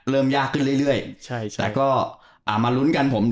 เริ่มยากขึ้นเรื่อยแต่ก็มาลุ้นกัน